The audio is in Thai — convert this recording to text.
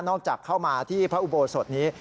จากเข้ามาที่พระอุโบสถนี้